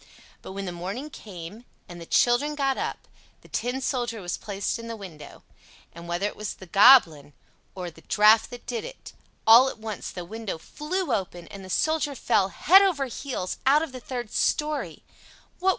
But when the morning came, and the children got up, the Tin Soldier was placed in the window; and whether it was the Goblin or the draft that did it, all at once the window flew open, and the Soldier fell, head over heels, out of the third story.